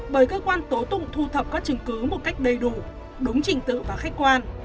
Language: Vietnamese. bởi cơ quan tố tụng thu thập các chứng cứ một cách đầy đủ đúng trình tự và khách quan